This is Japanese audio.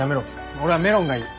俺はメロンがいい。